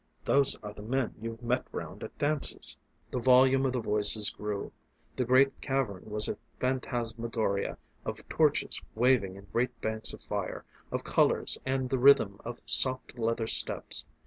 "Those are the men you've met round at dances." The volume of the voices grew; the great cavern was a phantasmagoria of torches waving in great banks of fire, of colors and the rhythm of soft leather steps.